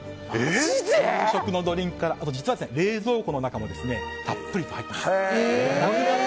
夕食のドリンクからあとは冷蔵庫の中にもたっぷり入ってます。